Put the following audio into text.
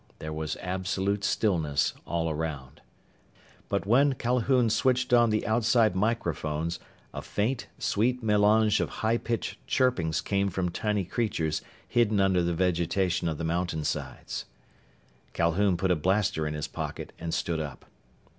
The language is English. There was absolute stillness all around. But when Calhoun switched on the outside microphones a faint, sweet melange of high pitched chirpings came from tiny creatures hidden under the vegetation of the mountainsides. Calhoun put a blaster in his pocket and stood up.